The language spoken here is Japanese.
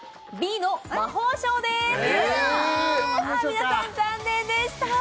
皆さん残念でした